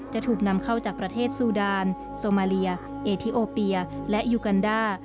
จะถูกนำเข้าจากประเทศซูดานโซมาเลียเอทิโอเปียและยูกันด้า